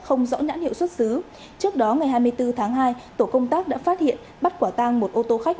không rõ nhãn hiệu xuất xứ trước đó ngày hai mươi bốn tháng hai tổ công tác đã phát hiện bắt quả tang một ô tô khách